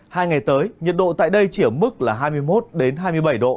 hai ngày tới nhiệt độ tại đây chỉ ở mức là hai mươi một hai mươi bảy độ